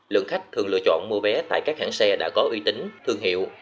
lượng khách thường lựa chọn mua vé tại các hãng xe đã có uy tín thương hiệu